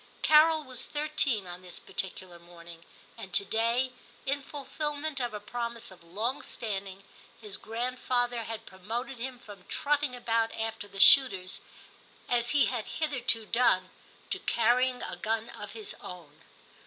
Carol was thirteen on this particular morning, and to day, in fulfilment of a promise of long standing, his grandfather had promoted him from trotting about after the shooters, as he had hitherto done, to carrying a gun of his own.